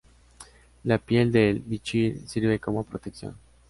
La piel del bichir sirve como protección.